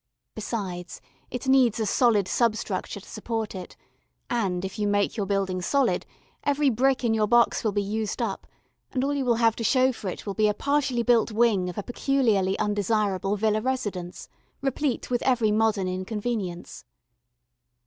Besides, it needs a solid substructure to support it, and if you make your building solid, every brick in your box will be used up, and all you will have to show for it will be a partially built wing of a peculiarly undesirable villa residence, replete with every modern inconvenience.